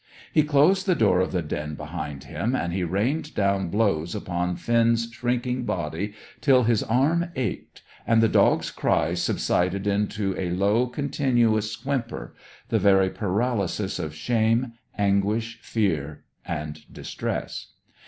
He closed the door of the den behind him, and he rained down blows upon Finn's shrinking body till his arm ached, and the dog's cries subsided into a low, continuous whimper, the very paralysis of shame, anguish, fear, and distress.